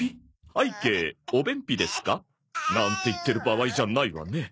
拝啓お便秘ですか？なんて言ってる場合じゃないわね！